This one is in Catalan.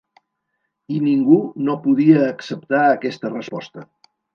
I ningú no podia acceptar aquesta resposta.